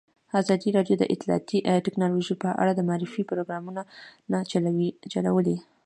ازادي راډیو د اطلاعاتی تکنالوژي په اړه د معارفې پروګرامونه چلولي.